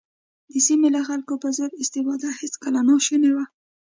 د سیمې له خلکو په زور استفاده هېڅکله ناشونې وه.